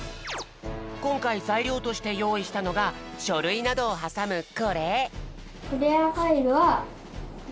こんかいざいりょうとしてよういしたのがしょるいなどをはさむこれ！